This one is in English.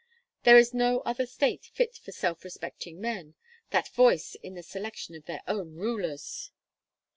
There is no other state fit for self respecting men that voice in the selection of their own rulers."